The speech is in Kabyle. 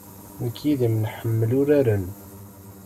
Nekk yid-m nḥemmel uraren.